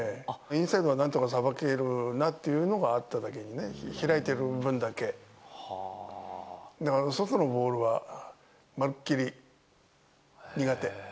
インサイドはなんとかさばけるなっていうのがあっただけにね、開いてる分だけ、だから、外のボールはまるっきり苦手。